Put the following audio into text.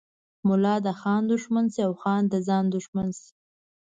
ملا د خان دښمن شي او خان د ځان دښمن شي.